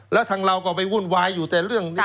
แล้วทางเราก็ออกไปวุ่นวายอยู่แสดงสระแก้ว